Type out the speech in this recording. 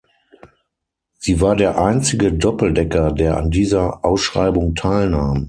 Sie war der einzige Doppeldecker, der an dieser Ausschreibung teilnahm.